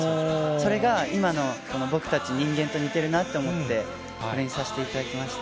それが今の、僕たち人間と似てるなと思って、これにさせていただきました。